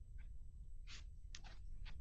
出任陕西承宣布政使司泾阳县知县。